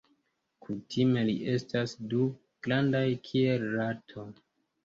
Kutime ili estas du, grandaj kiel rato.